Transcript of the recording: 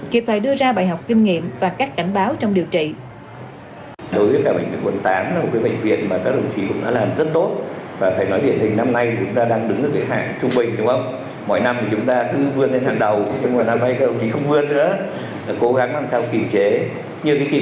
kịp thời đưa ra bài học kinh nghiệm và các cảnh báo trong điều trị